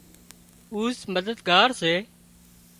اُوزمددگار سي